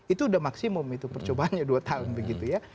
itu udah maksimum itu percobaannya dua tahun begitu ya